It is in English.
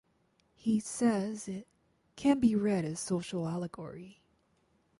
He says it "can be read as social allegory".